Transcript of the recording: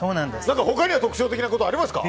他には特徴的なことありますか？